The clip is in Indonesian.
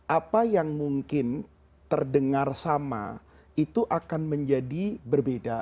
apa yang mungkin terdengar sama itu akan menjadi berbeda